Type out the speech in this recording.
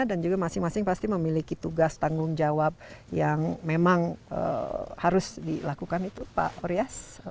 dan juga masing masing pasti memiliki tugas tanggung jawab yang memang harus dilakukan itu pak orias